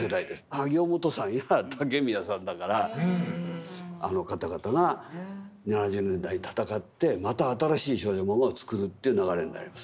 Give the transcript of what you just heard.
萩尾望都さんや竹宮さんだからあの方々が７０年代に戦ってまた新しい少女漫画をつくるっていう流れになります。